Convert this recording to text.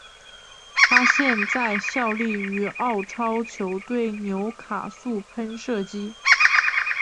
他现在效力于澳超球队纽卡素喷射机。